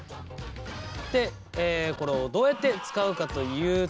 でこれをどうやって使うかというと。